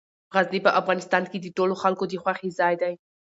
غزني په افغانستان کې د ټولو خلکو د خوښې ځای دی.